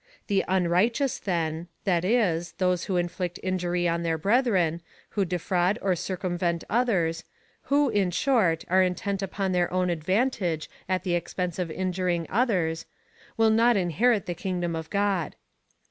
The un righteous, then, that is, those who inflict injury on their brethren, who defraud or circumvent others, who, in short, are intent upon their own advantage at the expense of in juring others, will not inherit the kingdom of God.